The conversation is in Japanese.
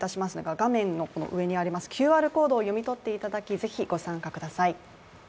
画面の上にあるＱＲコードを読み取っていただきぜひ、ご参加ください。